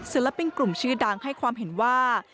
ศิลปินกลุ่มชื่อดังให้ความเห็นว่า